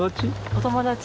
お友達。